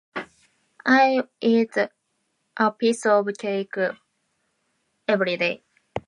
I eat a piece of cake every day.